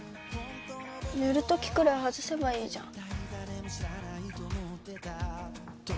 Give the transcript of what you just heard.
寝るときくらい外せばいいじゃん